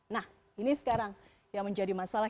nah ini sekarang yang menjadi masalah